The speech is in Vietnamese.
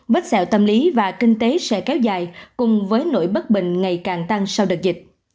vết xẹo tâm lý và kinh tế sẽ kéo dài cùng với nỗi bất bình ngày càng tăng sau đợt dịch